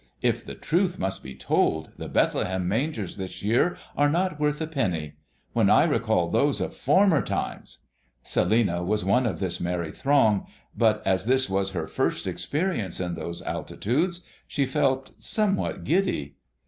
If the truth must be told, the Bethlehem mangers this year are not worth a penny. When I recall those of former times " Celinina was one of this merry throng, but as this was her first experience in those altitudes, she felt somewhat giddy.